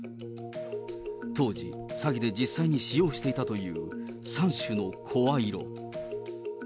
当時、詐欺で実際に使用していたという３種の声色。